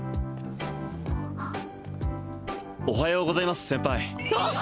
おはようございます先輩んあっ！